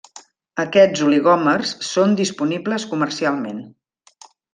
Aquests oligòmers són disponibles comercialment.